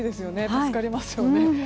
助かりますよね。